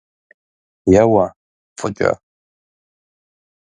Еуэ, фӏыкӏэ!